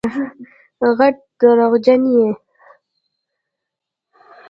غټ دروغجن یې